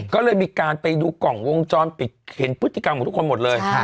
ก็เลยมีการไปดูกล่องวงจรปิดเห็นพฤติกรรมของทุกคนหมดเลย